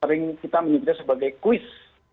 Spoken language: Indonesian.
dan perusahaan ini kita menyebutnya sebagai kuis